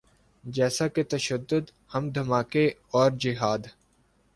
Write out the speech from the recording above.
جیسا کہ تشدد، بم دھماکے اورجہاد۔